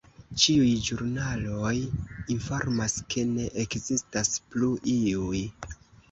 Ĉiuj ĵurnaloj informas, ke ne ekzistas plu iuj!